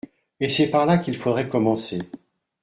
Et c'est par là qu'il faudrait commencer.